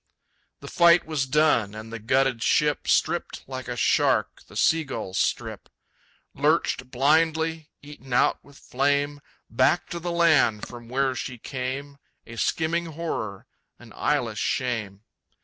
The fight was done, and the gutted ship, Stripped like a shark the sea gulls strip, Lurched blindly, eaten out with flame, Back to the land from where she came, A skimming horror, an eyeless shame.